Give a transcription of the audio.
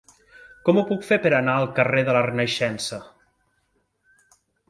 Com ho puc fer per anar al carrer de la Renaixença?